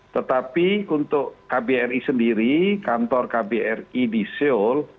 tetapi untuk kbri sendiri kantor kbri di seoul